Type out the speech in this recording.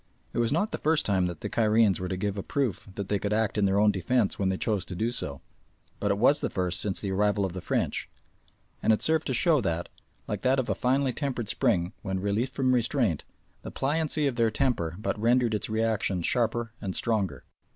It was not the first time that the Cairenes were to give a proof that they could act in their own defence when they chose to do so, but it was the first since the arrival of the French, and it served to show that, like that of a finely tempered spring when released from restraint, the pliancy of their temper but rendered its reaction sharper and stronger.